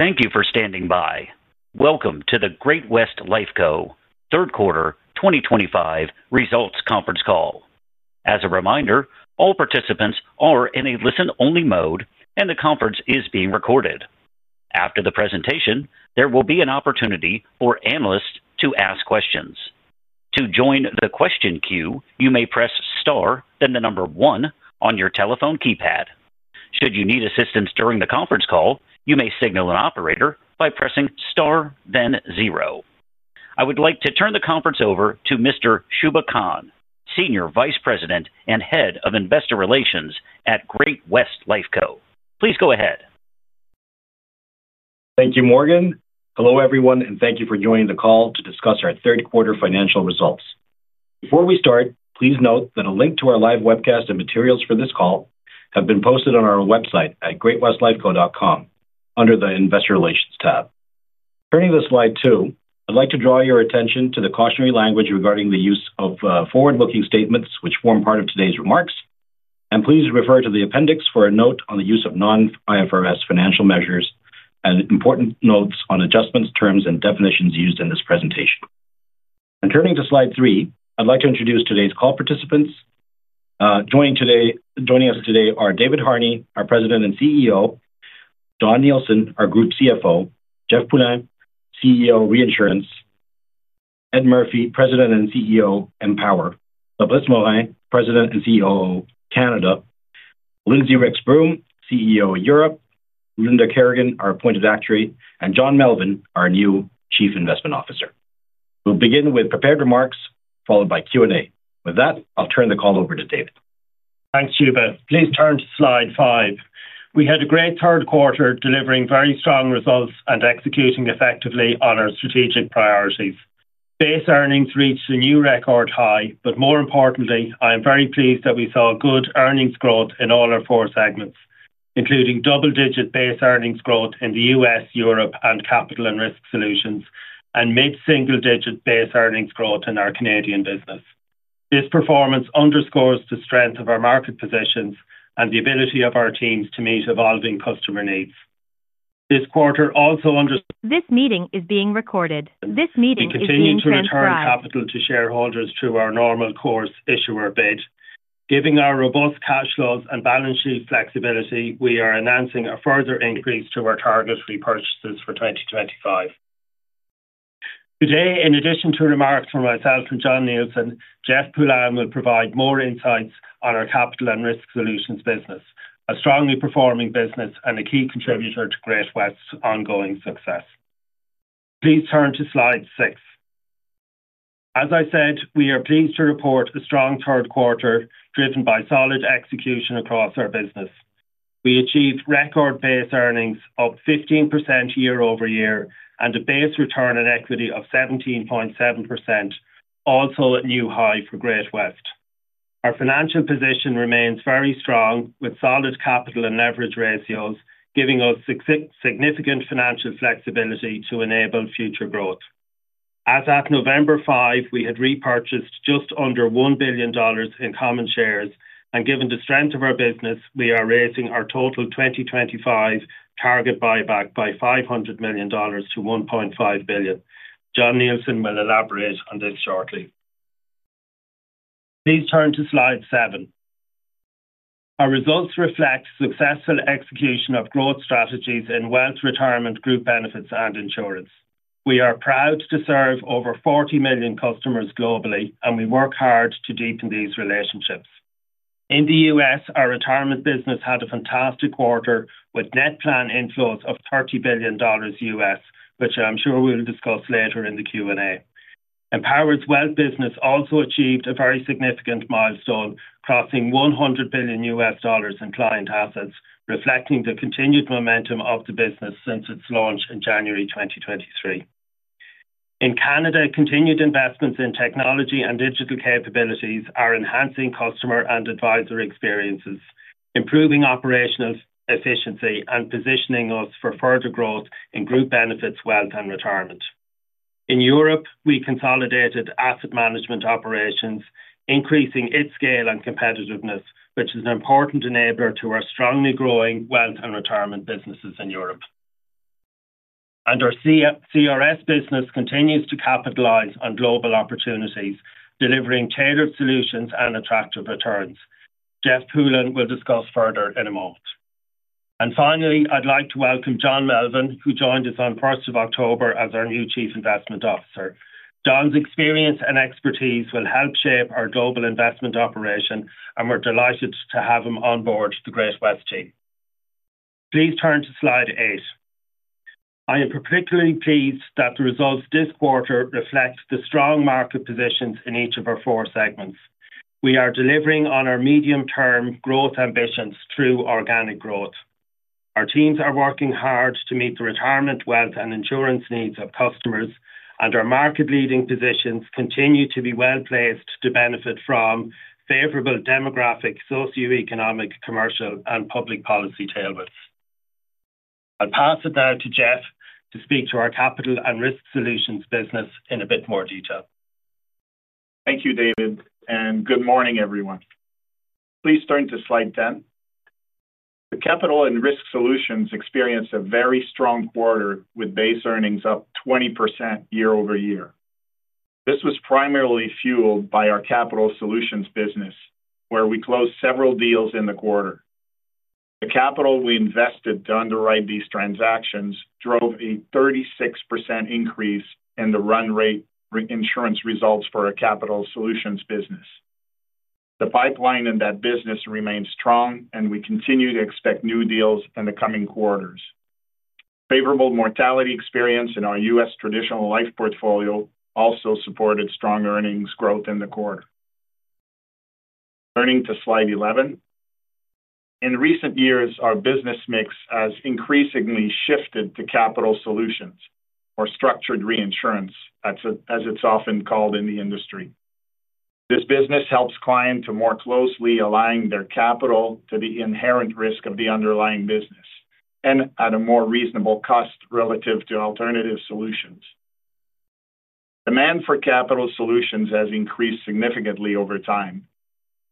Thank you for standing by. Welcome to the Great-West Lifeco third quarter 2025 results conference call. As a reminder, all participants are in a listen-only mode, and the conference is being recorded. After the presentation, there will be an opportunity for analysts to ask questions. To join the question queue, you may press star, then the number one on your telephone keypad. Should you need assistance during the conference call, you may signal an operator by pressing star, then zero. I would like to turn the conference over to Mr. Shubha Khan, Senior Vice President and Head of Investor Relations at Great-West Lifeco. Please go ahead. Thank you, Morgan. Hello everyone, and thank you for joining the call to discuss our third quarter financial results. Before we start, please note that a link to our live webcast and materials for this call have been posted on our website at greatwestlifeco.com under the Investor Relations tab. Turning to slide two, I'd like to draw your attention to the cautionary language regarding the use of forward-looking statements, which form part of today's remarks. Please refer to the appendix for a note on the use of non-IFRS financial measures and important notes on adjustments, terms, and definitions used in this presentation. Turning to slide three, I'd like to introduce today's call participants. Joining us today are David Harney, our President and CEO; John Nielsen, our Group CFO; Jeff Poulin, CEO Reinsurance; Ed Murphy, President and CEO Empower; Fabrice Morin, President and CEO Canada. Lindsay Ricks-Broom, CEO Europe, Linda Kerrigan, our Appointed Actuary, and John Melvin, our new Chief Investment Officer. We'll begin with prepared remarks, followed by Q&A. With that, I'll turn the call over to David. Thanks, Shubha. Please turn to slide five. We had a great third quarter, delivering very strong results and executing effectively on our strategic priorities. Base earnings reached a new record high, but more importantly, I am very pleased that we saw good earnings growth in all our four segments, including double-digit base earnings growth in the Capital and Risk Solutions, and mid-single-digit base earnings growth in our Canadian business. This performance underscores the strength of our market positions and the ability of our teams to meet evolving customer needs. This quarter also undersc... This meeting is being recorded. This meeting is being transcribed. We continue to return capital to shareholders through our normal course issuer bid. Given our robust cash flows and balance sheet flexibility, we are announcing a further increase to our target repurchases for 2025. Today, in addition to remarks from myself and John Nielsen, Jeff Poulin will provide more Capital and Risk Solutions business, a strongly performing business and a key contributor to Great-West Lifeco's ongoing success. Please turn to slide six. As I said, we are pleased to report a strong third quarter driven by solid execution across our business. We achieved record base earnings of 15% year-over-year and a base return on equity of 17.7%, also a new high for Great-West Lifeco. Our financial position remains very strong with solid capital and leverage ratios, giving us significant financial flexibility to enable future growth. As at November 5, we had repurchased just under $1 billion in common shares, and given the strength of our business, we are raising our total 2025 target buyback by $500 million-$1.5 billion. John Nielsen will elaborate on this shortly. Please turn to slide seven. Our results reflect successful execution of growth strategies in wealth, retirement, group benefits, and insurance. We are proud to serve over 40 million customers globally, and we work hard to deepen these relationships. In the U.S., our retirement business had a fantastic quarter with net plan inflows of $30 billion, which I'm sure we'll discuss later in the Q&A. Empower's wealth business also achieved a very significant milestone, crossing $100 billion in client assets, reflecting the continued momentum of the business since its launch in January 2023. In Canada, continued investments in technology and digital capabilities are enhancing customer and advisor experiences, improving operational efficiency, and positioning us for further growth in group benefits, wealth, and retirement. In Europe, we consolidated asset management operations, increasing its scale and competitiveness, which is an important enabler to our strongly growing wealth and retirement businesses in Europe. Our CRS business continues to capitalize on global opportunities, delivering tailored solutions and attractive returns. Jeff Poulin will discuss further in a moment. Finally, I'd like to welcome John Melvin, who joined us on 1st of October as our new Chief Investment Officer. John's experience and expertise will help shape our global investment operation, and we're delighted to have him on board the Great-West team. Please turn to slide eight. I am particularly pleased that the results this quarter reflect the strong market positions in each of our four segments. We are delivering on our medium-term growth ambitions through organic growth. Our teams are working hard to meet the retirement, wealth, and insurance needs of customers, and our market-leading positions continue to be well-placed to benefit from favorable demographic, socioeconomic, commercial, and public policy tailwinds. I'll pass it now to Jeff to Capital and Risk Solutions business in a bit more detail. Thank you, David, and good morning, everyone. Please turn to Capital and Risk Solutions experienced a very strong quarter with base earnings up 20% year-over-year. This was primarily fueled by our capital solutions business, where we closed several deals in the quarter. The capital we invested to underwrite these transactions drove a 36% increase in the run-rate insurance results for our capital solutions business. The pipeline in that business remained strong, and we continue to expect new deals in the coming quarters. Favorable mortality experience in our U.S. traditional life portfolio also supported strong earnings growth in the quarter. Turning to slide 11. In recent years, our business mix has increasingly shifted to capital solutions, or structured reinsurance, as it's often called in the industry. This business helps clients to more closely align their capital to the inherent risk of the underlying business. At a more reasonable cost relative to alternative solutions. Demand for capital solutions has increased significantly over time.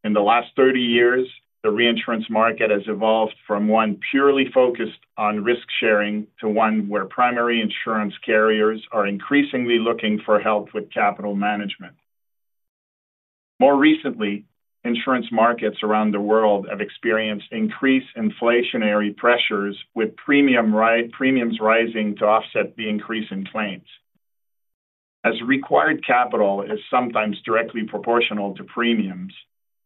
In the last 30 years, the reinsurance market has evolved from one purely focused on risk sharing to one where primary insurance carriers are increasingly looking for help with capital management. More recently, insurance markets around the world have experienced increased inflationary pressures, with premiums rising to offset the increase in claims. As required capital is sometimes directly proportional to premiums,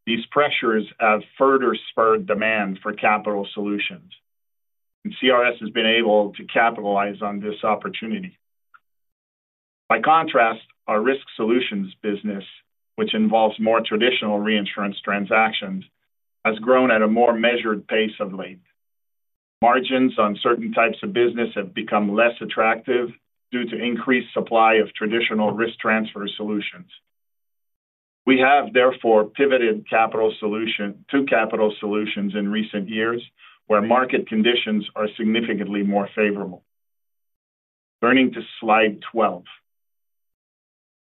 these pressures have further spurred demand for capital solutions, and CRS has been able to capitalize on this opportunity. By contrast, our risk solutions business, which involves more traditional reinsurance transactions, has grown at a more measured pace of late. Margins on certain types of business have become less attractive due to increased supply of traditional risk transfer solutions. We have therefore pivoted to capital solutions in recent years, where market conditions are significantly more favorable. Turning to slide 12.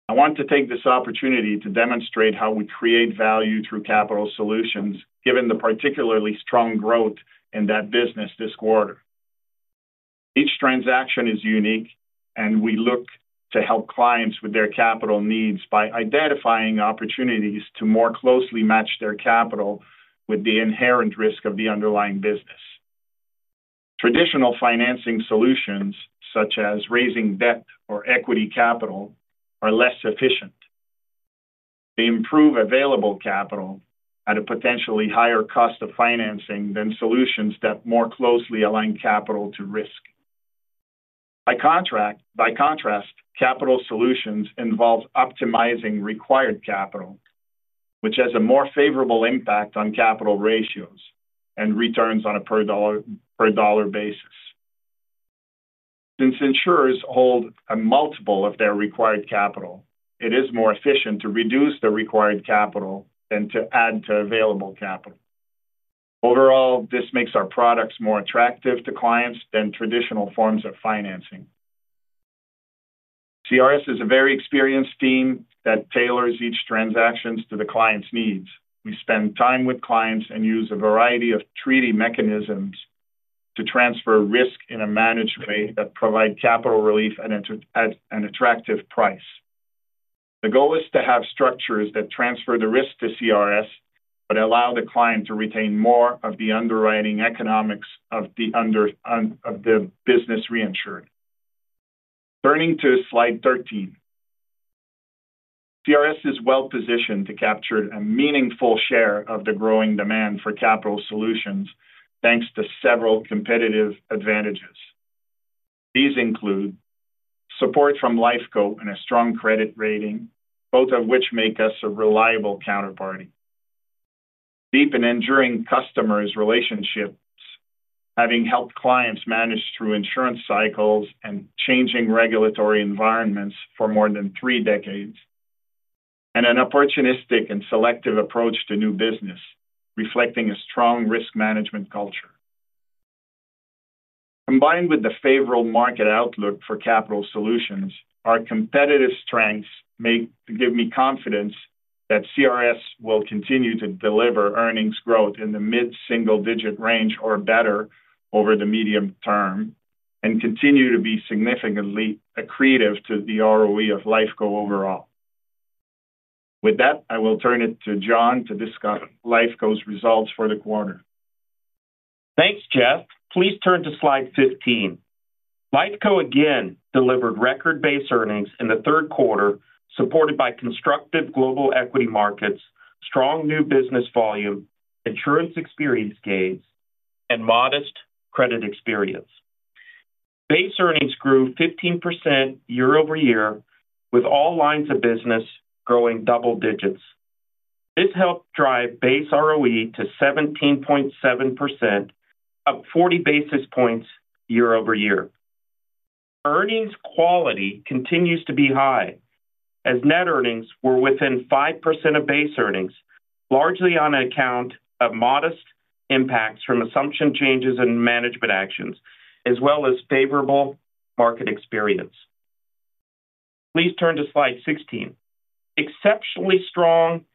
I want to take this opportunity to demonstrate how we create value through capital solutions, given the particularly strong growth in that business this quarter. Each transaction is unique, and we look to help clients with their capital needs by identifying opportunities to more closely match their capital with the inherent risk of the underlying business. Traditional financing solutions, such as raising debt or equity capital, are less efficient. They improve available capital at a potentially higher cost of financing than solutions that more closely align capital to risk. By contrast, capital solutions involve optimizing required capital, which has a more favorable impact on capital ratios and returns on a per dollar basis. Since insurers hold a multiple of their required capital, it is more efficient to reduce the required capital than to add to available capital. Overall, this makes our products more attractive to clients than traditional forms of financing. CRS is a very experienced team that tailors each transaction to the client's needs. We spend time with clients and use a variety of treaty mechanisms to transfer risk in a managed way that provides capital relief at an attractive price. The goal is to have structures that transfer the risk to CRS, but allow the client to retain more of the underwriting economics of the business reinsured. Turning to slide 13. CRS is well-positioned to capture a meaningful share of the growing demand for capital solutions, thanks to several competitive advantages. These include support from Lifeco and a strong credit rating, both of which make us a reliable counterparty. Deep and enduring customers' relationships, having helped clients manage through insurance cycles and changing regulatory environments for more than three decades. An opportunistic and selective approach to new business, reflecting a strong risk management culture. Combined with the favorable market outlook for capital solutions, our competitive strengths give me confidence that CRS will continue to deliver earnings growth in the mid-single-digit range or better over the medium term and continue to be significantly accretive to the ROE of Lifeco overall. With that, I will turn it to John to discuss Lifeco's results for the quarter. Thanks, Jeff. Please turn to slide 15. Lifeco again delivered record base earnings in the third quarter, supported by constructive global equity markets, strong new business volume, insurance experience gains, and modest credit experience. Base earnings grew 15% year-over-year, with all lines of business growing double digits. This helped drive base ROE to 17.7%, up 40 basis points year-over-year. Earnings quality continues to be high, as net earnings were within 5% of base earnings, largely on account of modest impacts from assumption changes and management actions, as well as favorable market experience. Please turn to slide 16. Exceptionally strong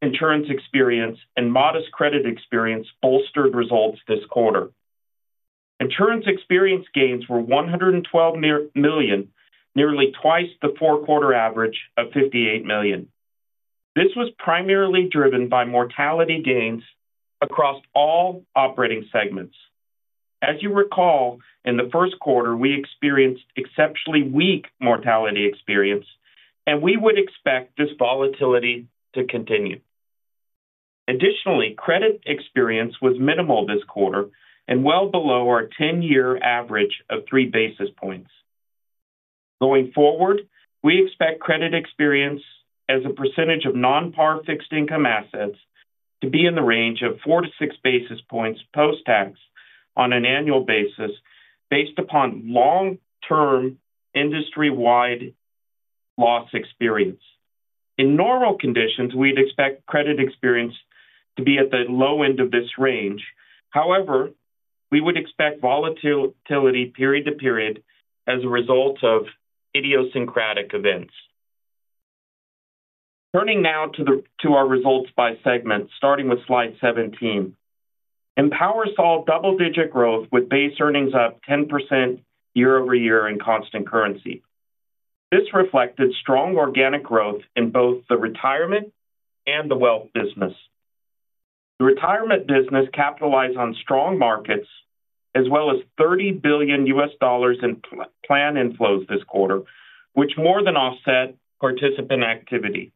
insurance experience and modest credit experience bolstered results this quarter. Insurance experience gains were $112 million, nearly twice the four-quarter average of $58 million. This was primarily driven by mortality gains across all operating segments. As you recall, in the first quarter, we experienced exceptionally weak mortality experience, and we would expect this volatility to continue. Additionally, credit experience was minimal this quarter and well below our 10-year average of 3 basis points. Going forward, we expect credit experience as a percentage of non-PAR fixed income assets to be in the range of 4-6 basis points post-tax on an annual basis, based upon long-term industry-wide loss experience. In normal conditions, we'd expect credit experience to be at the low end of this range. However, we would expect volatility period to period as a result of idiosyncratic events. Turning now to our results by segment, starting with slide 17. Empower saw double-digit growth with base earnings up 10% year-over-year in constant currency. This reflected strong organic growth in both the retirement and the wealth business. The retirement business capitalized on strong markets, as well as $30 billion in plan inflows this quarter, which more than offset participant activity.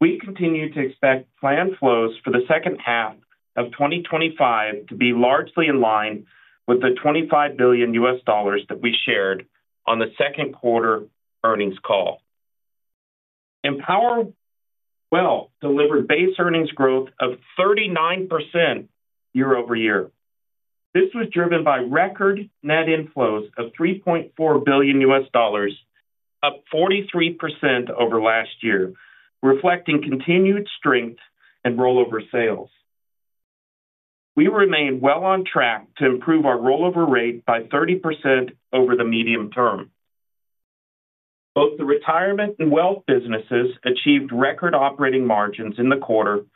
We continue to expect plan flows for the second half of 2025 to be largely in line with the $25 billion that we shared on the second quarter earnings call. Empower Wealth delivered base earnings growth of 39% year-over-year. This was driven by record net inflows of $3.4 billion, up 43% over last year, reflecting continued strength and rollover sales. We remain well on track to improve our rollover rate by 30% over the medium term. Both the retirement and wealth businesses achieved record operating margins in the quarter,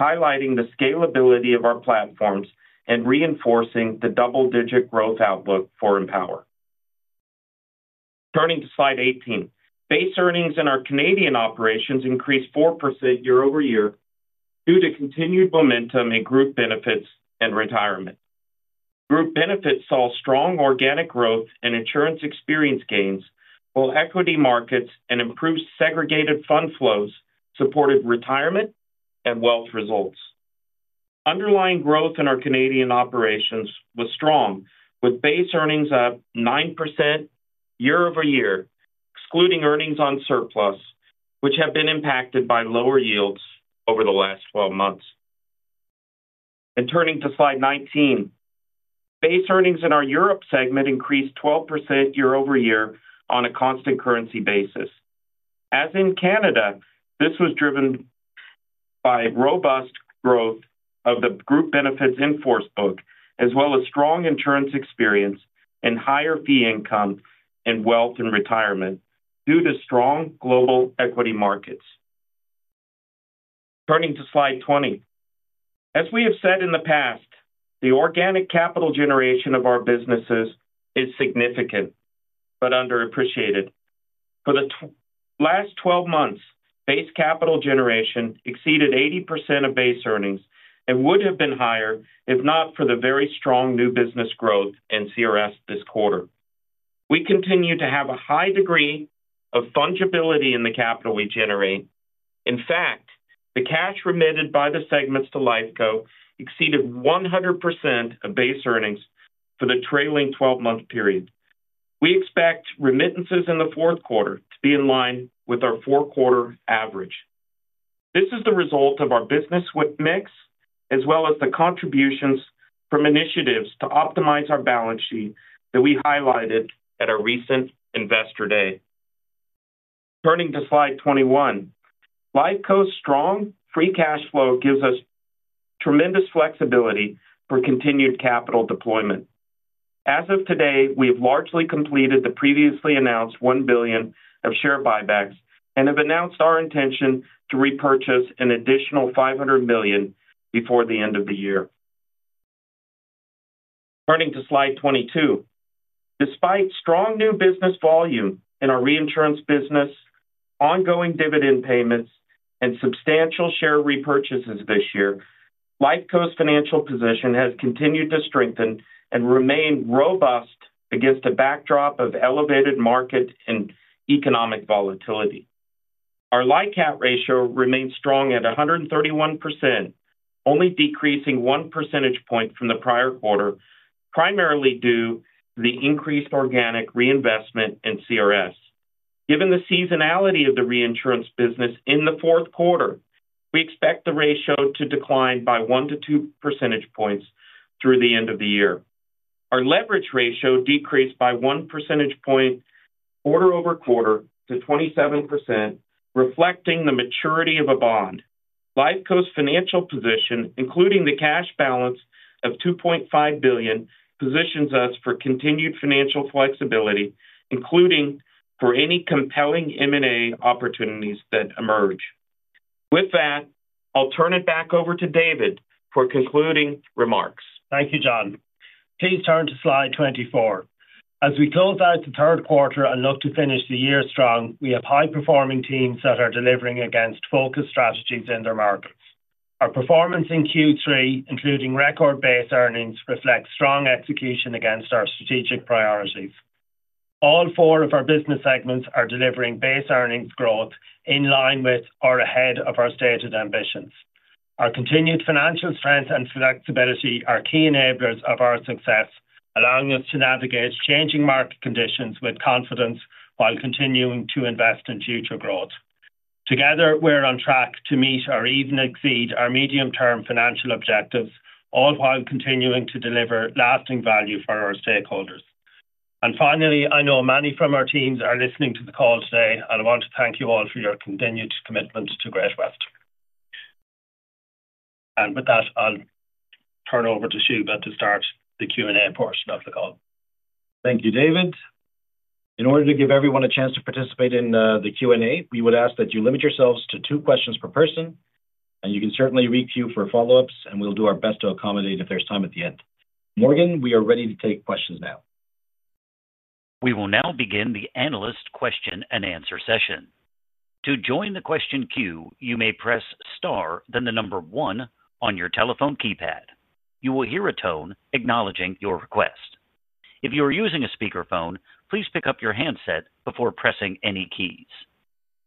highlighting the scalability of our platforms and reinforcing the double-digit growth outlook for Empower. Turning to slide 18, base earnings in our Canadian operations increased 4% year-over-year due to continued momentum in group benefits and retirement. Group benefits saw strong organic growth and insurance experience gains, while equity markets and improved segregated fund flows supported retirement and wealth results. Underlying growth in our Canadian operations was strong, with base earnings up 9% year-over-year, excluding earnings on surplus, which have been impacted by lower yields over the last 12 months. Turning to slide 19. Base earnings in our Europe segment increased 12% year-over-year on a constant currency basis. As in Canada, this was driven by robust growth of the group benefits in Forcebook, as well as strong insurance experience and higher fee income in wealth and retirement due to strong global equity markets. Turning to slide 20. As we have said in the past, the organic capital generation of our businesses is significant, but underappreciated. For the last 12 months, base capital generation exceeded 80% of base earnings and would have been higher if not for the very strong new business growth in CRS this quarter. We continue to have a high degree of fungibility in the capital we generate. In fact, the cash remitted by the segments to Lifeco exceeded 100% of base earnings for the trailing 12-month period. We expect remittances in the fourth quarter to be in line with our four-quarter average. This is the result of our business mix, as well as the contributions from initiatives to optimize our balance sheet that we highlighted at our recent investor day. Turning to slide 21. Lifeco's strong free cash flow gives us tremendous flexibility for continued capital deployment. As of today, we have largely completed the previously announced $1 billion of share buybacks and have announced our intention to repurchase an additional $500 million before the end of the year. Turning to slide 22. Despite strong new business volume in our reinsurance business, ongoing dividend payments, and substantial share repurchases this year, Lifeco's financial position has continued to strengthen and remain robust against a backdrop of elevated market and economic volatility. Our LICAT ratio remains strong at 131%, only decreasing one percentage point from the prior quarter, primarily due to the increased organic reinvestment in CRS. Given the seasonality of the reinsurance business in the fourth quarter, we expect the ratio to decline by one to two percentage points through the end of the year. Our leverage ratio decreased by one percentage point quarter-over-quarter to 27%, reflecting the maturity of a bond. Lifeco's financial position, including the cash balance of $2.5 billion, positions us for continued financial flexibility, including for any compelling M&A opportunities that emerge. With that, I'll turn it back over to David for concluding remarks. Thank you, John. Please turn to slide 24. As we close out the third quarter and look to finish the year strong, we have high-performing teams that are delivering against focused strategies in their markets. Our performance in Q3, including record base earnings, reflects strong execution against our strategic priorities. All four of our business segments are delivering base earnings growth in line with or ahead of our stated ambitions. Our continued financial strength and flexibility are key enablers of our success, allowing us to navigate changing market conditions with confidence while continuing to invest in future growth. Together, we are on track to meet or even exceed our medium-term financial objectives, all while continuing to deliver lasting value for our stakeholders. Finally, I know many from our teams are listening to the call today, and I want to thank you all for your continued commitment to Great-West Lifeco. With that, I'll turn over to Shubha to start the Q&A portion of the call. Thank you, David. In order to give everyone a chance to participate in the Q&A, we would ask that you limit yourselves to two questions per person. You can certainly re-queue for follow-ups, and we'll do our best to accommodate if there's time at the end. Morgan, we are ready to take questions now. We will now begin the analyst question-and-answer session. To join the question queue, you may press star, then the number one on your telephone keypad. You will hear a tone acknowledging your request. If you are using a speakerphone, please pick up your handset before pressing any keys.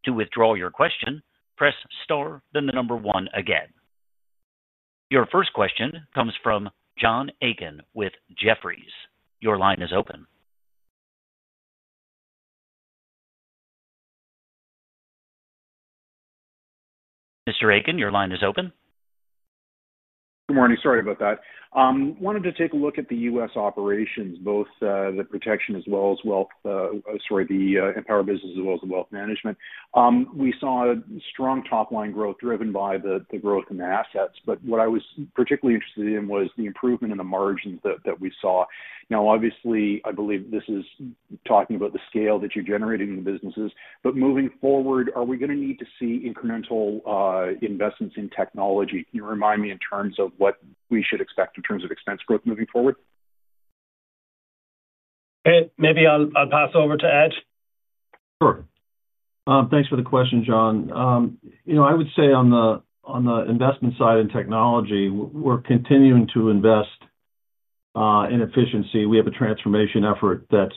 To withdraw your question, press star, then the number one again. Your first question comes from John Aiken with Jefferies. Your line is open. Mr. Aiken, your line is open. Good morning. Sorry about that. Wanted to take a look at the U.S. operations, both the protection as well as wealth, sorry, the Empower business as well as the wealth management. We saw strong top-line growth driven by the growth in the assets, but what I was particularly interested in was the improvement in the margins that we saw. Now, obviously, I believe this is talking about the scale that you're generating in the businesses, but moving forward, are we going to need to see incremental investments in technology? Can you remind me in terms of what we should expect in terms of expense growth moving forward? Ed, maybe I'll pass over to Ed. Sure. Thanks for the question, John. I would say on the investment side in technology, we're continuing to invest in efficiency. We have a transformation effort that's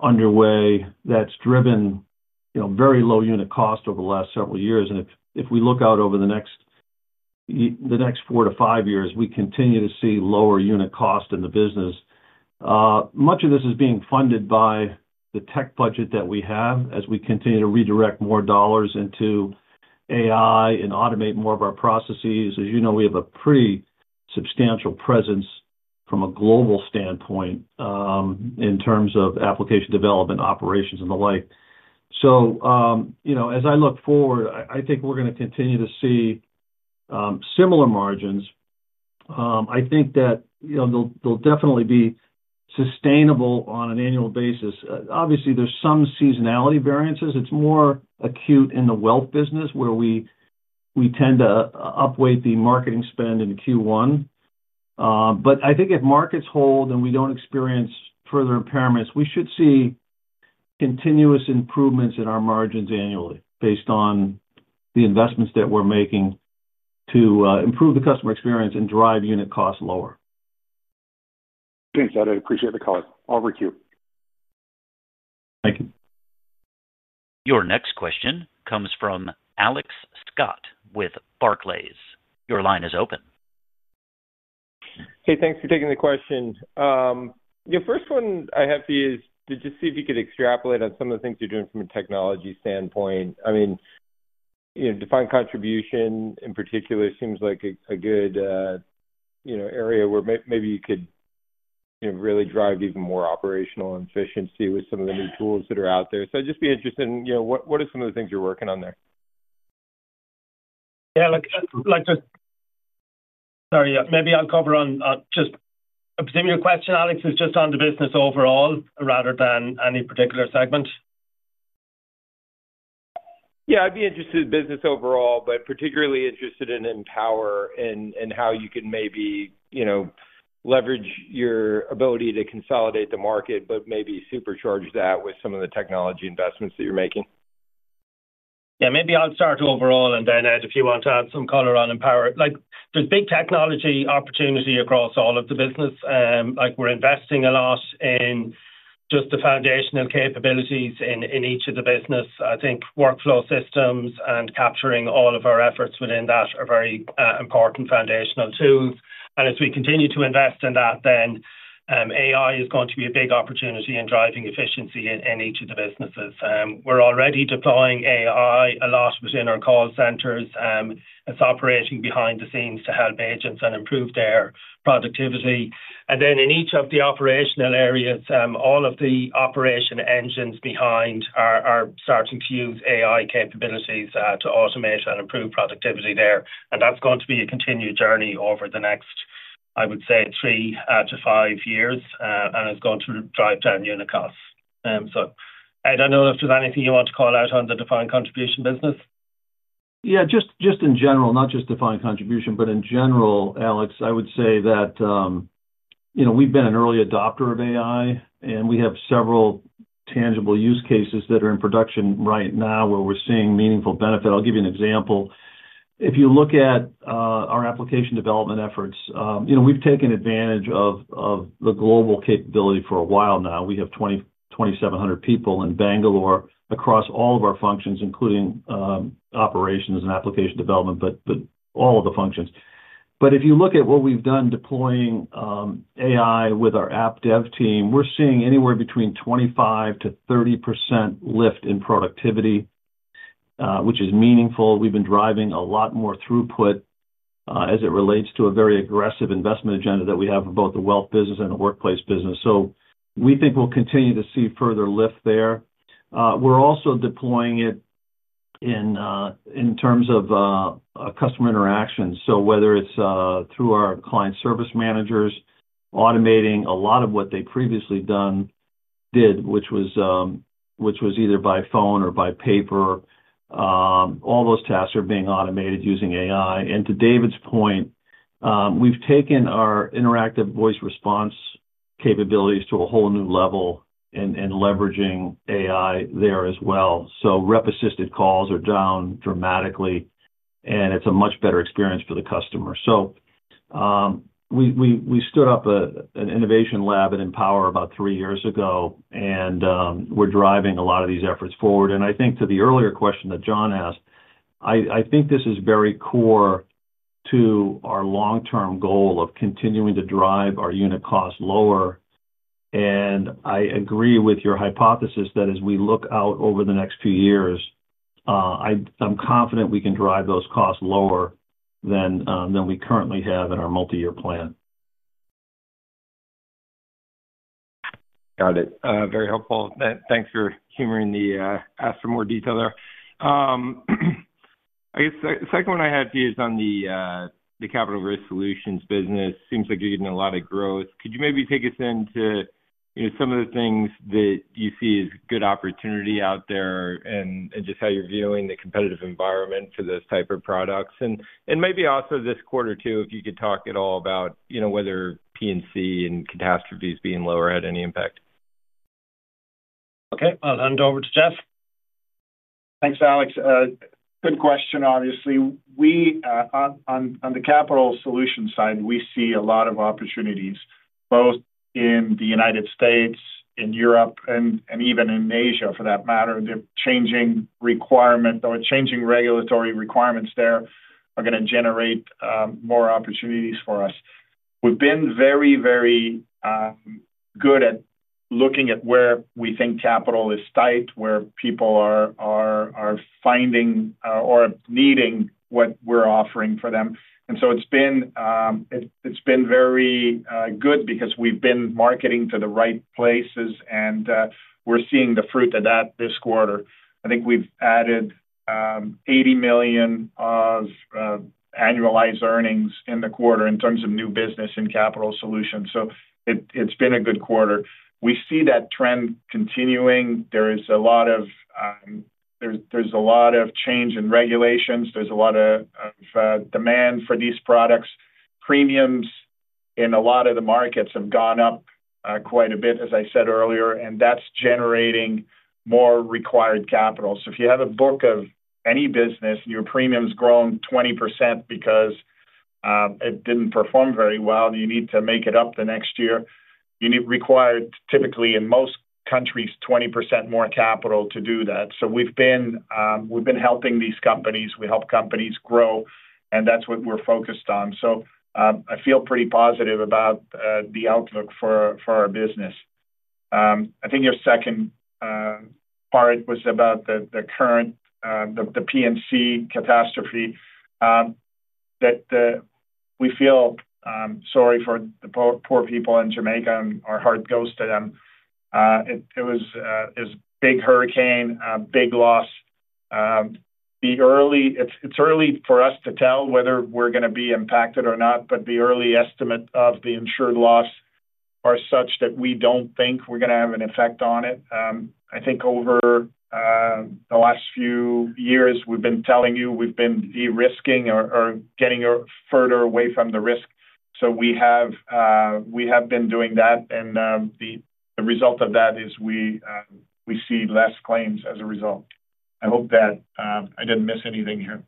underway that's driven very low unit cost over the last several years. If we look out over the next four to five years, we continue to see lower unit cost in the business. Much of this is being funded by the tech budget that we have as we continue to redirect more dollars into AI and automate more of our processes. As you know, we have a pretty substantial presence from a global standpoint in terms of application development, operations, and the like. As I look forward, I think we're going to continue to see similar margins. I think that they'll definitely be sustainable on an annual basis. Obviously, there's some seasonality variances. It's more acute in the wealth business where we tend to upweight the marketing spend in Q1. I think if markets hold and we do not experience further impairments, we should see continuous improvements in our margins annually based on the investments that we're making to improve the customer experience and drive unit costs lower. Thanks, Ed. I appreciate the call. I'll re-queue. Thank you. Your next question comes from Alex Scott with Barclays. Your line is open. Hey, thanks for taking the question. The first one I have for you is to just see if you could extrapolate on some of the things you're doing from a technology standpoint. I mean, defined contribution in particular seems like a good area where maybe you could really drive even more operational efficiency with some of the new tools that are out there. So I'd just be interested in what are some of the things you're working on there? Yeah. Like just. Sorry, maybe I'll cover on just a particular question, Alex, is just on the business overall rather than any particular segment. Yeah, I'd be interested in business overall, but particularly interested in Empower and how you can maybe leverage your ability to consolidate the market, but maybe supercharge that with some of the technology investments that you're making. Yeah, maybe I'll start overall and then Ed, if you want to add some color on Empower. There's big technology opportunity across all of the business. We're investing a lot in just the foundational capabilities in each of the business. I think workflow systems and capturing all of our efforts within that are very important foundational tools. As we continue to invest in that, AI is going to be a big opportunity in driving efficiency in each of the businesses. We're already deploying AI a lot within our call centers. It's operating behind the scenes to help agents and improve their productivity. In each of the operational areas, all of the operation engines behind are starting to use AI capabilities to automate and improve productivity there. That is going to be a continued journey over the next, I would say, three to five years, and it is going to drive down unit costs. Ed, I do not know if there is anything you want to call out on the defined contribution business. Yeah, just in general, not just defined contribution, but in general, Alex, I would say that. We've been an early adopter of AI, and we have several tangible use cases that are in production right now where we're seeing meaningful benefit. I'll give you an example. If you look at our application development efforts, we've taken advantage of the global capability for a while now. We have 2,700 people in Bangalore across all of our functions, including operations and application development, but all of the functions. If you look at what we've done deploying AI with our app dev team, we're seeing anywhere between 25%-30% lift in productivity, which is meaningful. We've been driving a lot more throughput as it relates to a very aggressive investment agenda that we have for both the wealth business and the workplace business. We think we'll continue to see further lift there. We're also deploying it in terms of customer interaction. Whether it's through our client service managers, automating a lot of what they previously did, which was either by phone or by paper, all those tasks are being automated using AI. To David's point, we've taken our interactive voice response capabilities to a whole new level in leveraging AI there as well. Rep-assisted calls are down dramatically, and it's a much better experience for the customer. We stood up an innovation lab at Empower about three years ago, and we're driving a lot of these efforts forward. I think to the earlier question that John asked, this is very core to our long-term goal of continuing to drive our unit costs lower. I agree with your hypothesis that as we look out over the next few years, I'm confident we can drive those costs lower than we currently have in our multi-year plan. Got it. Very helpful. Thanks for humoring the ask for more detail there. I guess the second one I had for you is on the capital risk solutions business. Seems like you're getting a lot of growth. Could you maybe take us into some of the things that you see as good opportunity out there and just how you're viewing the competitive environment for this type of products? Maybe also this quarter too, if you could talk at all about whether P&C and catastrophes being lower had any impact. Okay. I'll hand it over to Jeff. Thanks, Alex. Good question, obviously. On the capital solution side, we see a lot of opportunities both in the United States, in Europe, and even in Asia for that matter. The changing requirement or changing regulatory requirements there are going to generate more opportunities for us. We've been very, very good at looking at where we think capital is tight, where people are finding or needing what we're offering for them. And so it's been very good because we've been marketing to the right places, and we're seeing the fruit of that this quarter. I think we've added $80 million of annualized earnings in the quarter in terms of new business in capital solutions. It's been a good quarter. We see that trend continuing. There is a lot of change in regulations. There's a lot of demand for these products. Premiums in a lot of the markets have gone up quite a bit, as I said earlier, and that is generating more required capital. If you have a book of any business and your premium's grown 20% because it did not perform very well, and you need to make it up the next year, you require typically in most countries 20% more capital to do that. We have been helping these companies. We help companies grow, and that is what we are focused on. I feel pretty positive about the outlook for our business. I think your second part was about the current P&C catastrophe. We feel sorry for the poor people in Jamaica, and our heart goes to them. It was a big hurricane, big loss. It's early for us to tell whether we're going to be impacted or not, but the early estimate of the insured loss is such that we don't think we're going to have an effect on it. I think over the last few years, we've been telling you we've been de-risking or getting further away from the risk. We have been doing that, and the result of that is we see less claims as a result. I hope that I didn't miss anything here.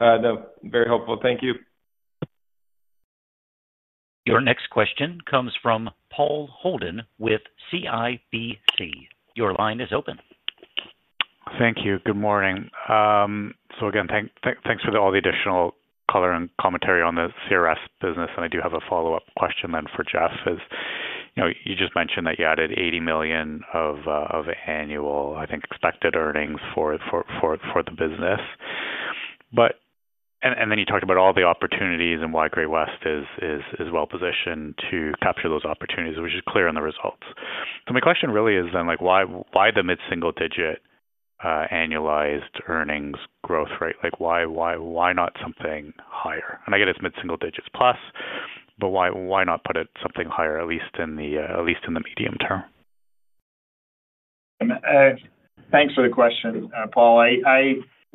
No, very helpful. Thank you. Your next question comes from Paul Holden with CIBC. Your line is open. Thank you. Good morning. Again, thanks for all the additional color and commentary on the CRS business. I do have a follow-up question for Jeff. You just mentioned that you added $80 million of annual, I think, expected earnings for the business. Then you talked about all the opportunities and why Great-West is well-positioned to capture those opportunities, which is clear in the results. My question really is why the mid-single-digit annualized earnings growth rate? Why not something higher? I get it's mid-single digits plus, but why not put it something higher, at least in the medium term? Thanks for the question, Paul.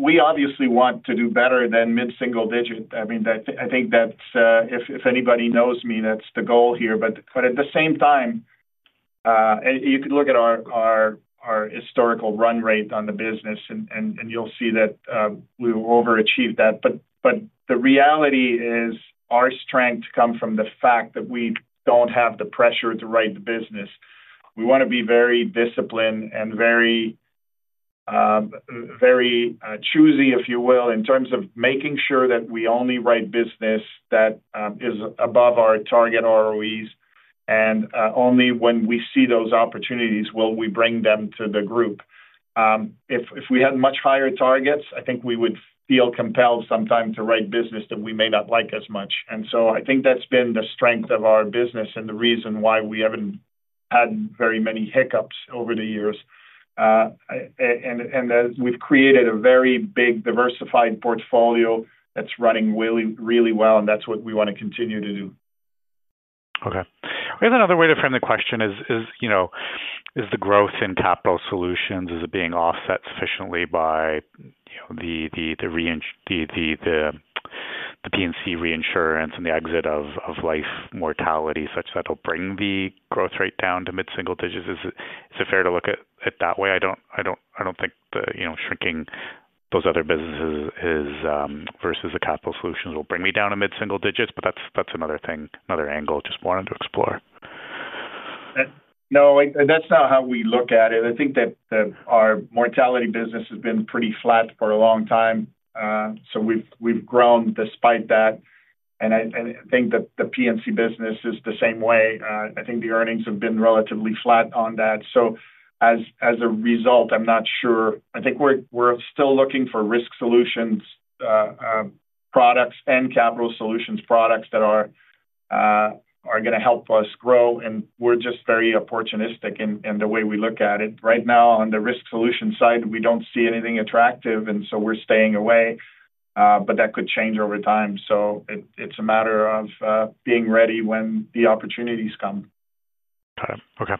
We obviously want to do better than mid-single digit. I mean, I think that's if anybody knows me, that's the goal here. At the same time, you could look at our historical run rate on the business, and you'll see that we overachieved that. The reality is our strength comes from the fact that we do not have the pressure to write the business. We want to be very disciplined and very choosy, if you will, in terms of making sure that we only write business that is above our target ROEs. Only when we see those opportunities will we bring them to the group. If we had much higher targets, I think we would feel compelled sometime to write business that we may not like as much. I think that's been the strength of our business and the reason why we haven't had very many hiccups over the years. We have created a very big, diversified portfolio that's running really well, and that's what we want to continue to do. Okay. I guess another way to frame the question is, the growth in capital solutions, is it being offset sufficiently by the P&C reinsurance and the exit of life mortality such that it'll bring the growth rate down to mid-single digits? Is it fair to look at it that way? I don't think the shrinking of those other businesses versus the capital solutions will bring me down to mid-single digits, but that's another thing, another angle I just wanted to explore. No, that's not how we look at it. I think that our mortality business has been pretty flat for a long time. So we've grown despite that. I think that the P&C business is the same way. I think the earnings have been relatively flat on that. As a result, I'm not sure. I think we're still looking for risk solutions products and capital solutions products that are going to help us grow. We're just very opportunistic in the way we look at it. Right now, on the risk solution side, we don't see anything attractive, and so we're staying away. That could change over time. It's a matter of being ready when the opportunities come. Got it. Okay.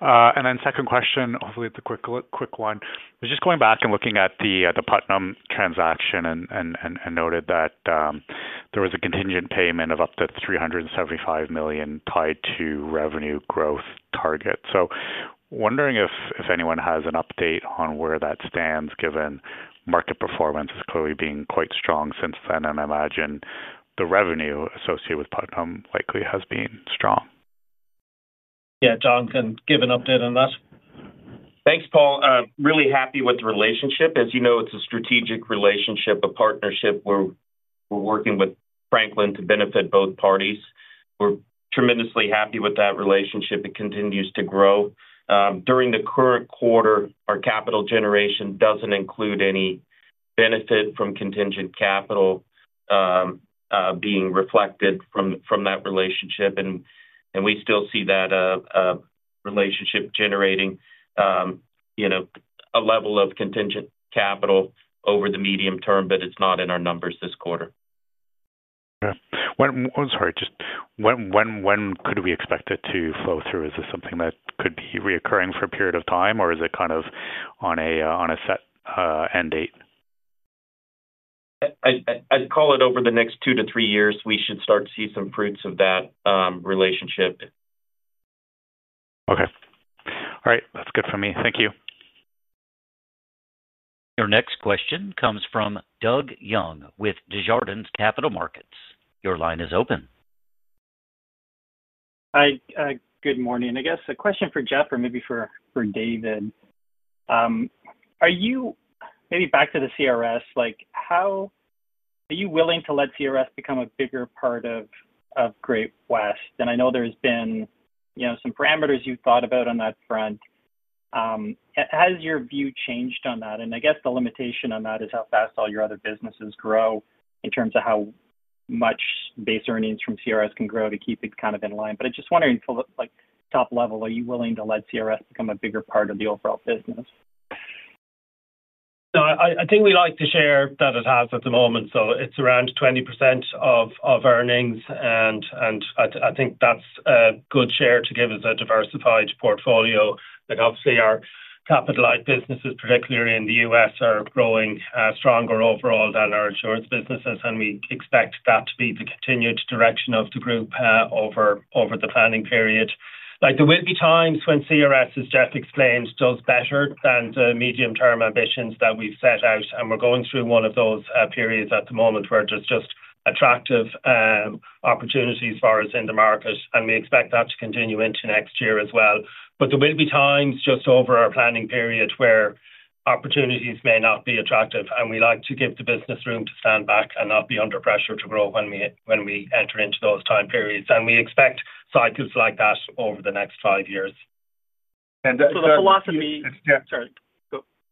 Then second question, hopefully it's a quick one. I was just going back and looking at the Putnam transaction and noted that there was a contingent payment of up to $375 million tied to revenue growth target. So wondering if anyone has an update on where that stands, given market performance is clearly being quite strong since then, and I imagine the revenue associated with Putnam likely has been strong. Yeah, John can give an update on that. Thanks, Paul. Really happy with the relationship. As you know, it's a strategic relationship, a partnership where we're working with Franklin to benefit both parties. We're tremendously happy with that relationship. It continues to grow. During the current quarter, our capital generation doesn't include any benefit from contingent capital being reflected from that relationship. We still see that relationship generating a level of contingent capital over the medium term, but it's not in our numbers this quarter. Okay. Sorry, just. When could we expect it to flow through? Is this something that could be reoccurring for a period of time, or is it kind of on a set end date? I'd call it over the next two to three years, we should start to see some fruits of that relationship. Okay. All right. That's good for me. Thank you. Your next question comes from Doug Young with Desjardins Capital Markets. Your line is open. Good morning. I guess a question for Jeff or maybe for David. Are you maybe back to the CRS? Are you willing to let CRS become a bigger part of Great-West? I know there have been some parameters you've thought about on that front. Has your view changed on that? I guess the limitation on that is how fast all your other businesses grow in terms of how much base earnings from CRS can grow to keep it kind of in line. I'm just wondering, top level, are you willing to let CRS become a bigger part of the overall business? No, I think we like the share that it has at the moment. So it's around 20% of earnings, and I think that's a good share to give us a diversified portfolio. Obviously, our capital-like businesses, particularly in the U.S., are growing stronger overall than our insurance businesses, and we expect that to be the continued direction of the group over the planning period. There will be times when CRS, as Jeff explained, does better than the medium-term ambitions that we've set out. We're going through one of those periods at the moment where there's just attractive opportunities for us in the market, and we expect that to continue into next year as well. There will be times just over our planning period where opportunities may not be attractive, and we like to give the business room to stand back and not be under pressure to grow when we enter into those time periods. We expect cycles like that over the next five years. The philosophy—sorry.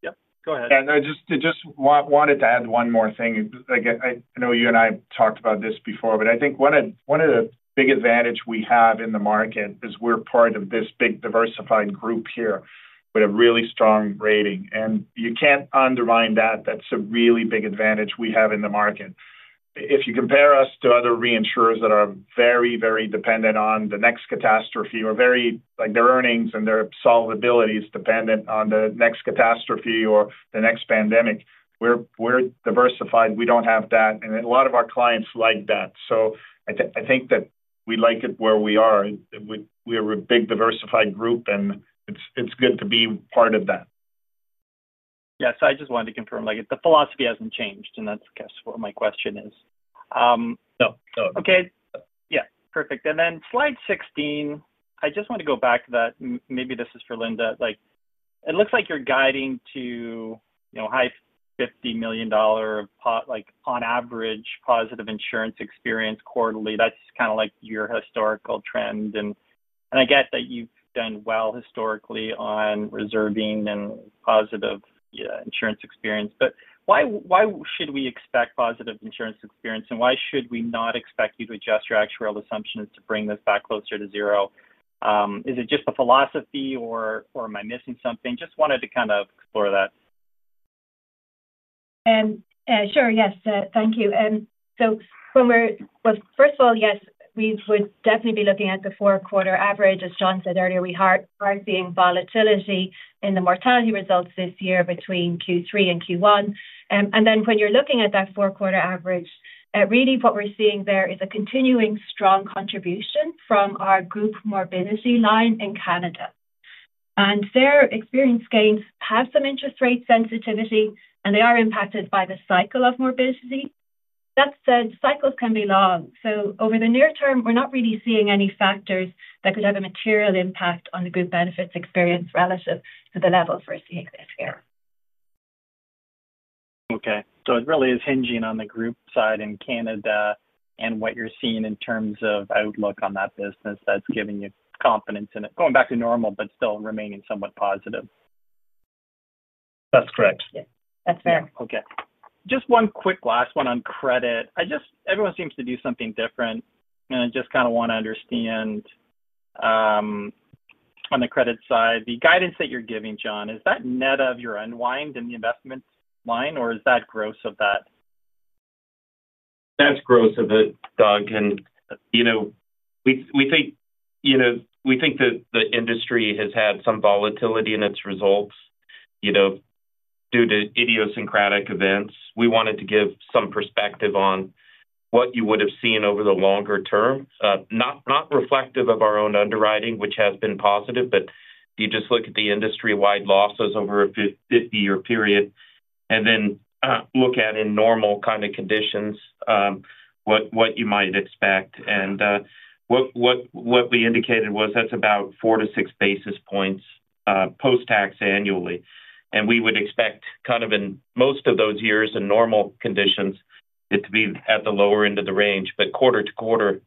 Yep, go ahead. I just wanted to add one more thing. I know you and I talked about this before, but I think one of the big advantages we have in the market is we're part of this big diversified group here with a really strong rating. You can't undermine that. That's a really big advantage we have in the market. If you compare us to other reinsurers that are very, very dependent on the next catastrophe or their earnings and their solvency is dependent on the next catastrophe or the next pandemic, we're diversified. We don't have that. A lot of our clients like that. I think that we like it where we are. We have a big diversified group, and it's good to be part of that. Yes. I just wanted to confirm. The philosophy hasn't changed, and that's my question. No, no. Okay. Yeah. Perfect. Then slide 16, I just want to go back to that. Maybe this is for Linda. It looks like you're guiding to a high $50 million on-average positive insurance experience quarterly. That's kind of your historical trend. I get that you've done well historically on reserving and positive insurance experience. Why should we expect positive insurance experience, and why should we not expect you to adjust your actual assumptions to bring this back closer to zero? Is it just the philosophy, or am I missing something? Just wanted to kind of explore that. Yes. Thank you. First of all, yes, we would definitely be looking at the four-quarter average. As John said earlier, we are seeing volatility in the mortality results this year between Q3 and Q1. When you're looking at that four-quarter average, really what we're seeing there is a continuing strong contribution from our group morbidity line in Canada. Their experience gains have some interest rate sensitivity, and they are impacted by the cycle of morbidity. That said, cycles can be long. Over the near term, we're not really seeing any factors that could have a material impact on the group benefits experience relative to the levels we're seeing this year. Okay. So it really is hinging on the group side in Canada and what you're seeing in terms of outlook on that business that's giving you confidence in it, going back to normal, but still remaining somewhat positive. That's correct. Yes. That's fair. Okay. Just one quick last one on credit. Everyone seems to do something different. I just kind of want to understand. On the credit side, the guidance that you're giving, John, is that net of your unwind in the investment line, or is that gross of that? That's gross of it, Doug. We think that the industry has had some volatility in its results. Due to idiosyncratic events, we wanted to give some perspective on what you would have seen over the longer term, not reflective of our own underwriting, which has been positive. You just look at the industry-wide losses over a 50-year period and then look at, in normal kind of conditions, what you might expect. What we indicated was that's about 4-6 basis points post-tax annually. We would expect kind of in most of those years in normal conditions it to be at the lower end of the range. Quarter-to-quarter,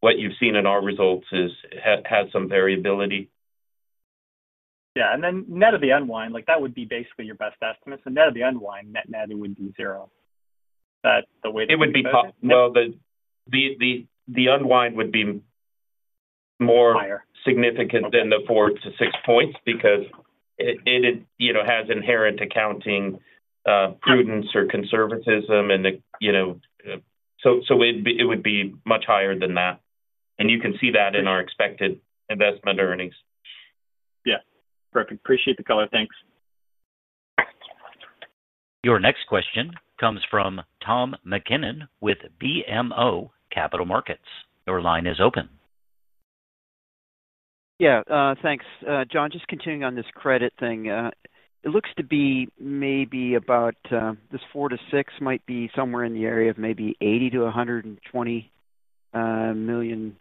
what you've seen in our results has some variability. Yeah. And then net of the unwind, that would be basically your best estimate. Net of the unwind, net net it would be zero. That's the way that you're— It would be, the unwind would be more significant than the 4-6 points because it has inherent accounting prudence or conservatism. It would be much higher than that. You can see that in our expected investment earnings. Yeah. Perfect. Appreciate the color. Thanks. Your next question comes from Tom MacKinnon with BMO Capital Markets. Your line is open. Yeah. Thanks, John. Just continuing on this credit thing. It looks to be maybe about this 4-6 might be somewhere in the area of maybe $80 million-$120 million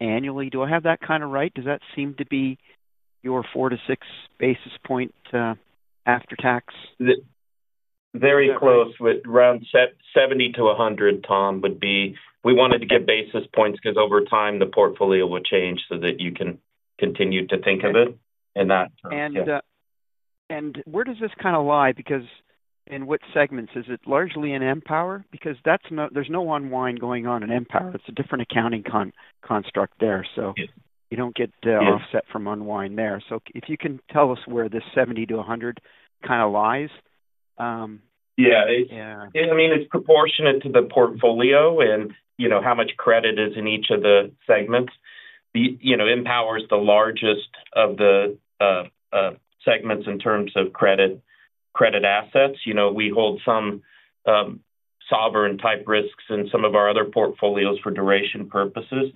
annually. Do I have that kind of right? Does that seem to be your 4-6 basis point after tax? Very close. Around $70-$100, Tom, would be—we wanted to get basis points because over time, the portfolio will change so that you can continue to think of it in that term too. Where does this kind of lie? Because in what segments? Is it largely in Empower? Because there is no unwind going on in Empower. It is a different accounting construct there. You do not get offset from unwind there. If you can tell us where this $70-$100 kind of lies. Yeah. I mean, it's proportionate to the portfolio and how much credit is in each of the segments. Empower is the largest of the segments in terms of credit assets. We hold some sovereign-type risks in some of our other portfolios for duration purposes.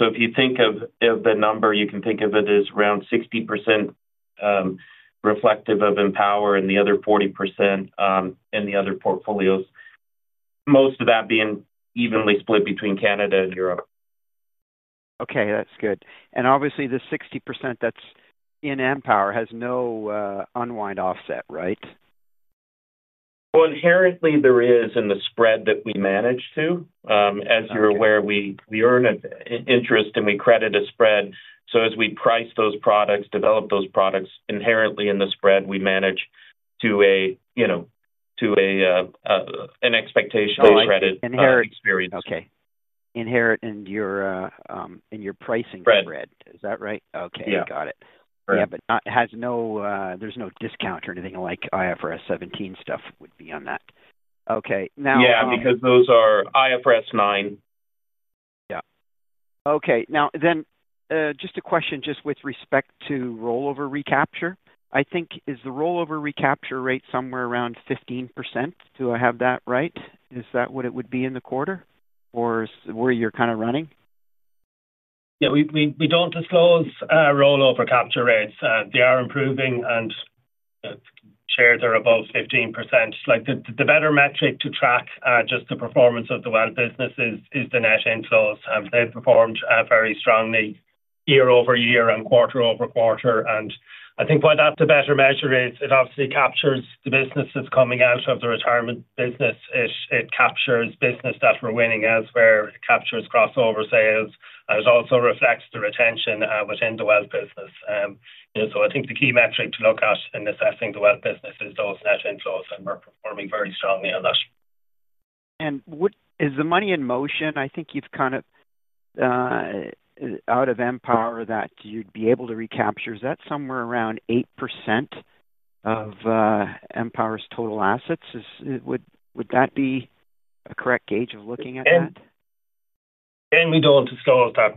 If you think of the number, you can think of it as around 60% reflective of Empower and the other 40% in the other portfolios, most of that being evenly split between Canada and Europe. Okay. That's good. Obviously, the 60% that's in Empower has no unwind offset, right? Inherently, there is in the spread that we manage to. As you're aware, we earn an interest, and we credit a spread. As we price those products, develop those products, inherently in the spread, we manage to an expectation of credit experience. Oh, inherent. Okay. Inherent in your pricing spread. Is that right? Right. Okay. Got it. Yeah. There is no discount or anything like IFRS 17 stuff would be on that. Okay. Now. Yeah. Because those are IFRS 9. Yeah. Okay. Now, then just a question just with respect to rollover recapture. I think is the rollover recapture rate somewhere around 15%? Do I have that right? Is that what it would be in the quarter? Or where you're kind of running? Yeah. We do not disclose rollover capture rates. They are improving, and shares are above 15%. The better metric to track just the performance of the wealth businesses is the net inflows. They have performed very strongly year-over-year and quarter-over-quarter. I think why that is a better measure is it obviously captures the business that is coming out of the retirement business. It captures business that we are winning elsewhere. It captures crossover sales. It also reflects the retention within the wealth business. I think the key metric to look at in assessing the wealth business is those net inflows, and we are performing very strongly on that. Is the money in motion? I think you've kind of, out of Empower, that you'd be able to recapture. Is that somewhere around 8% of Empower's total assets? Would that be a correct gauge of looking at that? We do not disclose that.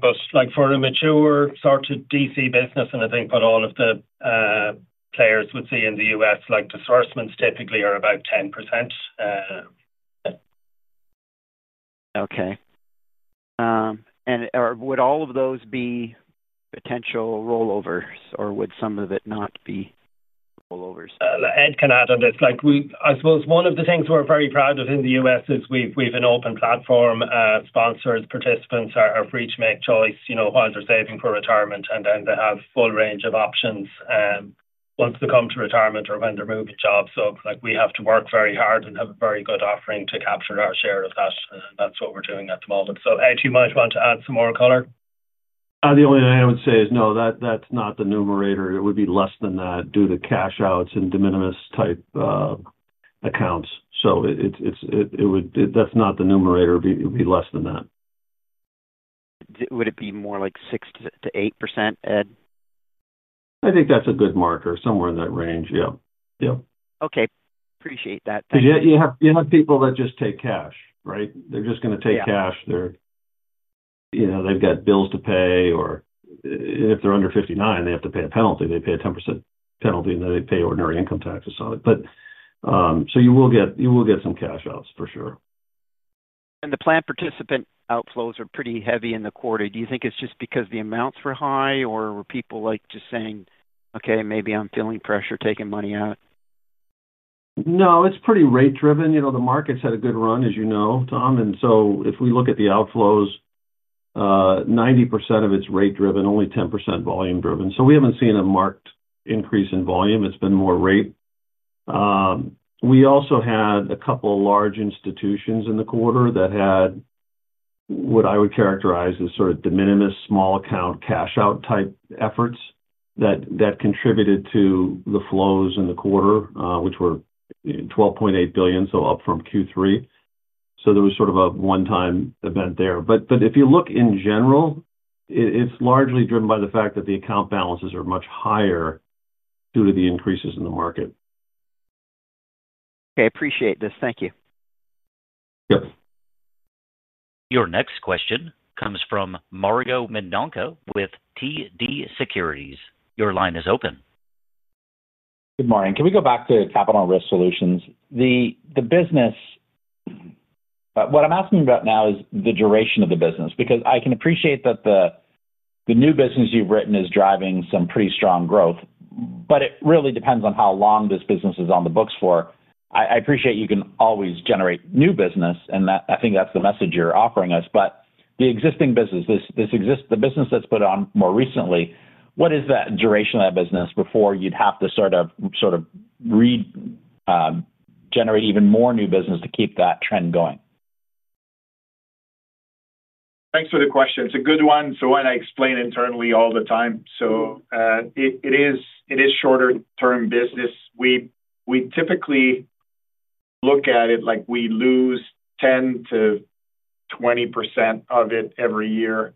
For a mature sort of DC business, and I think what all of the players would see in the U.S., disbursements typically are about 10%. Okay. Would all of those be potential rollovers, or would some of it not be rollovers? Ed can add on this. I suppose one of the things we're very proud of in the U.S. is we have an open platform. Sponsors, participants are free to make choice while they're saving for retirement, and then they have a full range of options. Once they come to retirement or when they're moving jobs. We have to work very hard and have a very good offering to capture our share of that. That's what we're doing at the moment. Ed, you might want to add some more color? The only thing I would say is no, that's not the numerator. It would be less than that due to cash-outs and de minimis type accounts. That's not the numerator. It would be less than that. Would it be more like 6%-8%, Ed? I think that's a good marker, somewhere in that range. Yeah. Yeah. Okay. Appreciate that. Thank you. You have people that just take cash, right? They're just going to take cash. They've got bills to pay. If they're under 59, they have to pay a penalty. They pay a 10% penalty, and then they pay ordinary income taxes on it. You will get some cash-outs for sure. The planned participant outflows are pretty heavy in the quarter. Do you think it's just because the amounts were high, or were people just saying, "Okay, maybe I'm feeling pressure, taking money out"? No, it's pretty rate-driven. The markets had a good run, as you know, Tom. If we look at the outflows, 90% of it's rate-driven, only 10% volume-driven. We haven't seen a marked increase in volume. It's been more rate. We also had a couple of large institutions in the quarter that had what I would characterize as sort of de minimis small account cash-out type efforts that contributed to the flows in the quarter, which were $12.8 billion, up from Q3. There was sort of a one-time event there. If you look in general, it's largely driven by the fact that the account balances are much higher due to the increases in the market. Okay. Appreciate this. Thank you. Yep. Your next question comes from Mario Mendonca with TD Securities. Your line is open. Good morning. Can we go back to capital risk solutions? The business. What I'm asking about now is the duration of the business because I can appreciate that the new business you've written is driving some pretty strong growth, but it really depends on how long this business is on the books for. I appreciate you can always generate new business, and I think that's the message you're offering us. The existing business, the business that's put on more recently, what is that duration of that business before you'd have to sort of generate even more new business to keep that trend going? Thanks for the question. It's a good one. It's the one I explain internally all the time. It is shorter-term business. We typically look at it like we lose 10%-20% of it every year.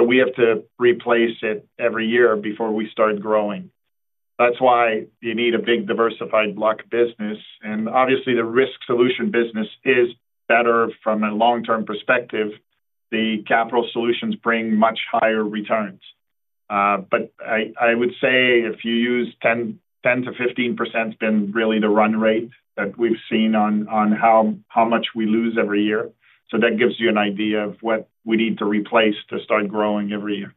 We have to replace it every year before we start growing. That's why you need a big diversified block business. Obviously, the risk solution business is better from a long-term perspective. The capital solutions bring much higher returns. I would say if you use 10%-15%, it's been really the run rate that we've seen on how much we lose every year. That gives you an idea of what we need to replace to start growing every year.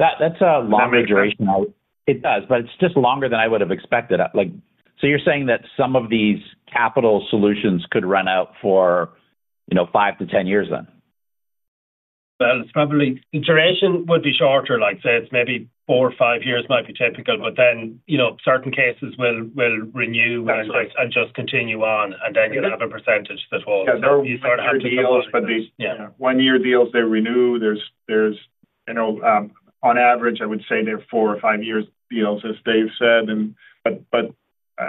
That's a longer duration. It does, but it's just longer than I would have expected. You're saying that some of these capital solutions could run out for 5-10 years then? The duration would be shorter. Like I said, maybe four or five years might be typical, but then certain cases will renew and just continue on, and then you'll have a percentage that holds. Yeah. They'll have to deal with one-year deals. They renew. On average, I would say they're four or five-year deals, as Dave said.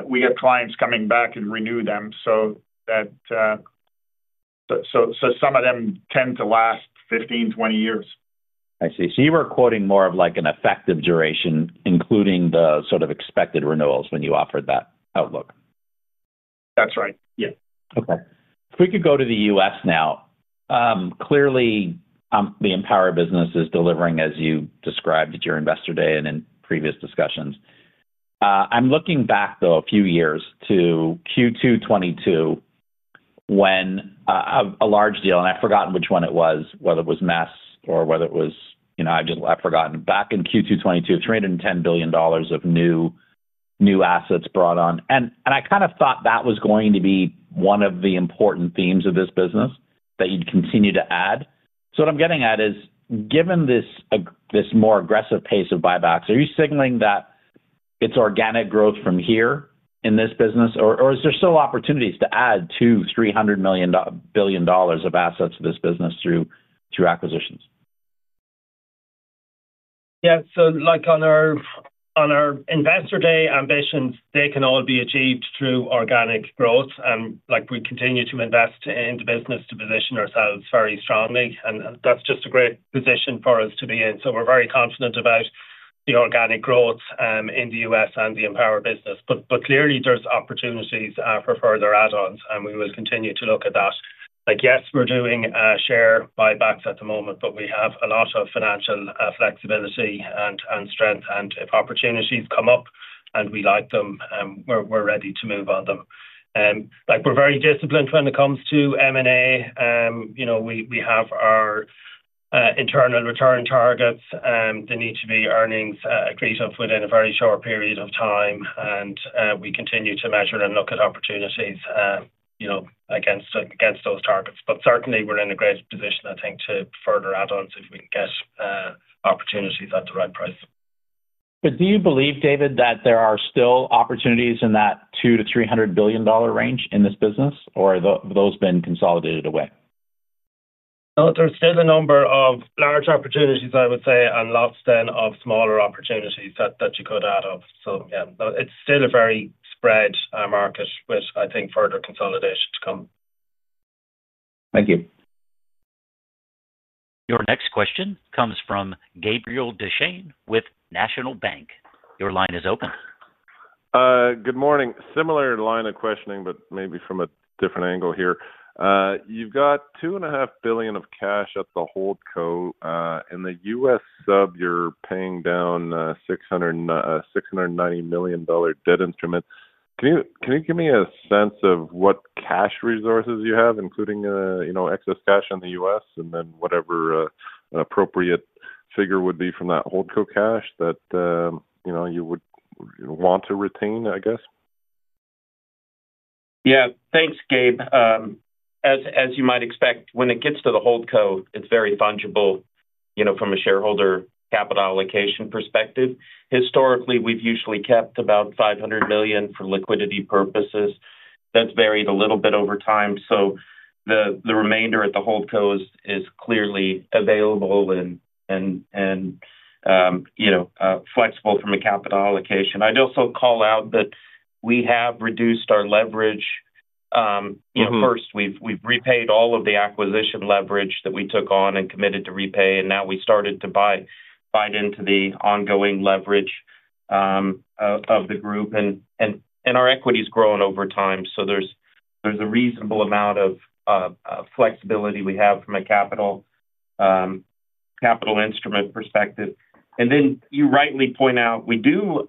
We have clients coming back and renew them so that some of them tend to last 15-20 years. I see. So you were quoting more of an effective duration, including the sort of expected renewals when you offered that outlook. That's right. Yeah. Okay. If we could go to the U.S. now. Clearly, the Empower business is delivering, as you described at your investor day and in previous discussions. I'm looking back, though, a few years to Q2 2022. When a large deal, and I've forgotten which one it was, whether it was Mass or whether it was, I've forgotten. Back in Q2 2022, $310 billion of new assets brought on. And I kind of thought that was going to be one of the important themes of this business that you'd continue to add. So what I'm getting at is, given this more aggressive pace of buybacks, are you signaling that it's organic growth from here in this business, or is there still opportunities to add $200 million-$300 million of assets to this business through acquisitions? Yeah. On our investor day ambitions, they can all be achieved through organic growth. We continue to invest in the business to position ourselves very strongly. That is just a great position for us to be in. We are very confident about the organic growth in the U.S. and the Empower business. Clearly, there are opportunities for further add-ons, and we will continue to look at that. Yes, we are doing share buybacks at the moment, but we have a lot of financial flexibility and strength. If opportunities come up and we like them, we are ready to move on them. We are very disciplined when it comes to M&A. We have our internal return targets. They need to be earnings accretive within a very short period of time. We continue to measure and look at opportunities against those targets. We're in a great position, I think, to further add-ons if we can get opportunities at the right price. Do you believe, David, that there are still opportunities in that $200 billion-$300 billion range in this business, or have those been consolidated away? There's still a number of large opportunities, I would say, and lots then of smaller opportunities that you could add up. Yeah, it's still a very spread market, which I think further consolidation to come. Thank you. Your next question comes from Gabriel Dechaine with National Bank. Your line is open. Good morning. Similar line of questioning, but maybe from a different angle here. You've got $2.5 billion of cash at the hold co. In the U.S. sub, you're paying down a $690 million debt instrument. Can you give me a sense of what cash resources you have, including excess cash in the U.S., and then whatever an appropriate figure would be from that hold co cash that you would want to retain, I guess? Yeah. Thanks, Gabe. As you might expect, when it gets to the hold co, it's very fungible from a shareholder capital allocation perspective. Historically, we've usually kept about $500 million for liquidity purposes. That's varied a little bit over time. The remainder at the hold co is clearly available and flexible from a capital allocation. I'd also call out that we have reduced our leverage. First, we've repaid all of the acquisition leverage that we took on and committed to repay. Now we started to buy into the ongoing leverage of the group. Our equity's grown over time. There's a reasonable amount of flexibility we have from a capital instrument perspective. You rightly point out, we do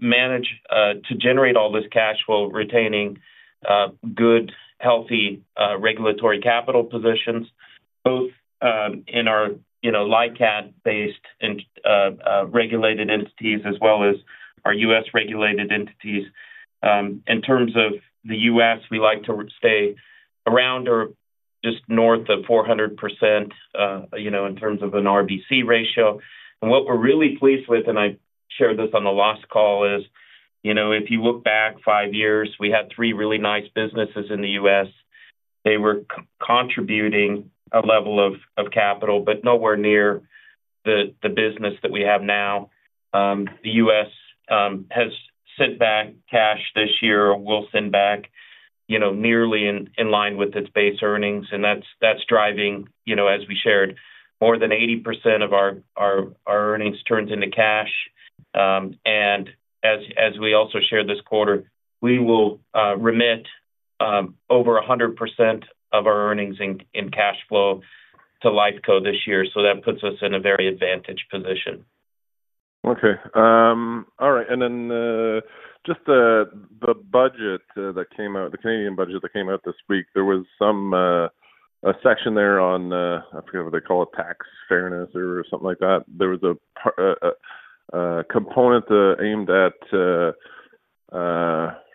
manage to generate all this cash while retaining good, healthy regulatory capital positions, both in our LICAT-based regulated entities as well as our U.S.-regulated entities. In terms of the U.S., we like to stay around or just north of 400% in terms of an RBC ratio. What we're really pleased with, and I shared this on the last call, is if you look back five years, we had three really nice businesses in the U.S. They were contributing a level of capital, but nowhere near the business that we have now. The U.S. has sent back cash this year or will send back nearly in line with its base earnings. That's driving, as we shared, more than 80% of our earnings turned into cash. As we also shared this quarter, we will remit over 100% of our earnings in cash flow to Lifeco this year. That puts us in a very advantaged position. Okay. All right. The budget that came out, the Canadian budget that came out this week, there was some, a section there on, I forget what they call it, tax fairness or something like that. There was a component aimed at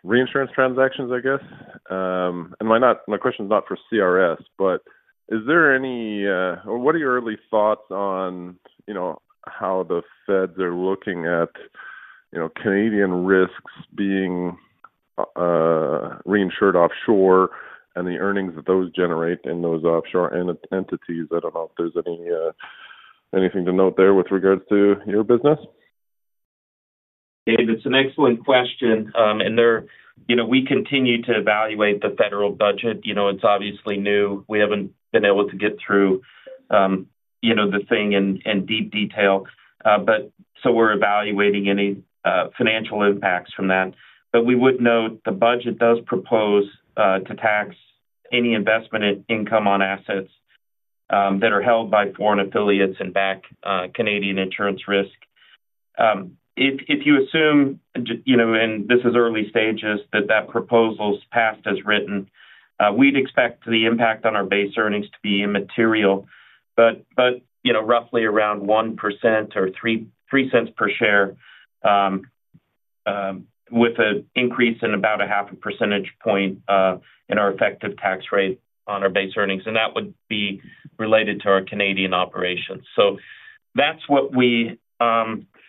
reinsurance transactions, I guess. My question is not for CRS, but is there any, or what are your early thoughts on how the Feds are looking at Canadian risks being reinsured offshore and the earnings that those generate in those offshore entities? I do not know if there is anything to note there with regards to your business. David, it's an excellent question. We continue to evaluate the federal budget. It's obviously new. We haven't been able to get through the thing in deep detail. We are evaluating any financial impacts from that. We would note the budget does propose to tax any investment income on assets that are held by foreign affiliates and back Canadian insurance risk. If you assume, and this is early stages, that that proposal's passed as written, we'd expect the impact on our base earnings to be immaterial, but roughly around 1% or $0.03 per share, with an increase in about half a percentage point in our effective tax rate on our base earnings. That would be related to our Canadian operations.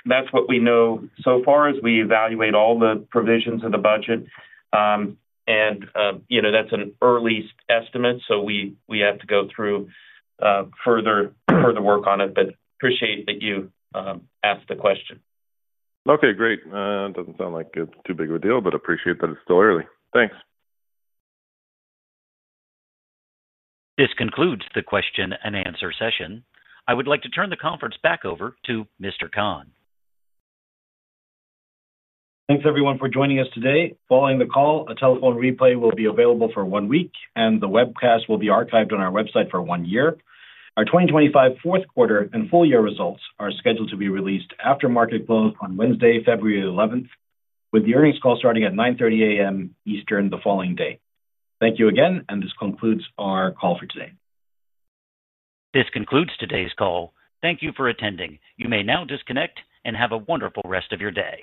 That's what we know so far as we evaluate all the provisions of the budget. That's an early estimate. We have to go through further work on it, but appreciate that you asked the question. Okay. Great. It does not sound like it is too big of a deal, but appreciate that it is still early. Thanks. This concludes the question and answer session. I would like to turn the conference back over to Mr. Khan. Thanks, everyone, for joining us today. Following the call, a telephone replay will be available for one week, and the webcast will be archived on our website for one year. Our 2025 fourth quarter and full year results are scheduled to be released after market close on Wednesday, February 11th, with the earnings call starting at 9:30 A.M. Eastern the following day. Thank you again, and this concludes our call for today. This concludes today's call. Thank you for attending. You may now disconnect and have a wonderful rest of your day.